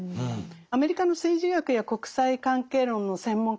アメリカの政治学や国際関係論の専門家たちはですね